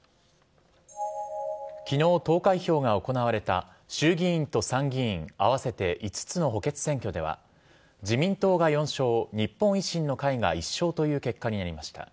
きのう、投開票が行われた衆議院と参議院合わせて５つの補欠選挙では、自民党が４勝、日本維新の会が１勝という結果になりました。